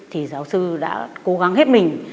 thì giáo sư đã cố gắng hết mình